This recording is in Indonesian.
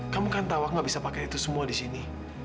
kamu kan tawa gak bisa pakai itu semua di sini